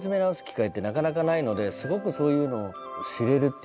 すごくそういうのを知れるっていうのは。